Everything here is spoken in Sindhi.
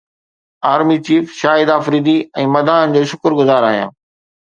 آرمي چيف شاهد آفريدي ۽ مداحن جو شڪر گذار آهيان